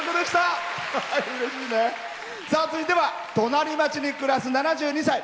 続いては隣町に暮らす７２歳。